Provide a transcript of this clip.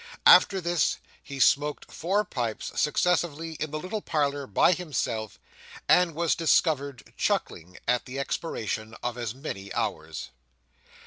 After this, he smoked four pipes successively in the little parlour by himself, and was discovered chuckling, at the expiration of as many hours.